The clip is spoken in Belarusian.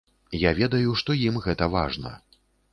Я ведаю, што ім гэта важна.